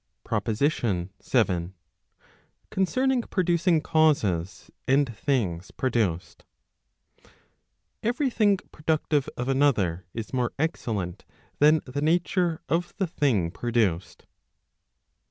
] PROPOSITION VII. Concerning producing causes and things produced . Every thing productive of another is more excellent than the nature of the thing produced.